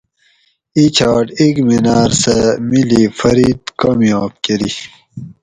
اِیں چھاٹ اگمیناۤر سہۤ میلی فرید کامیاب کۤری